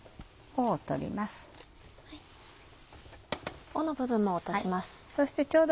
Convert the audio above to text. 尾の部分も落とします。